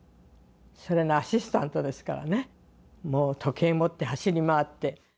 それのアシスタントですからねもう時計持って走り回って。